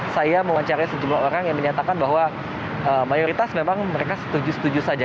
saya mewawancari sejumlah orang yang menyatakan bahwa mayoritas memang mereka setuju setuju saja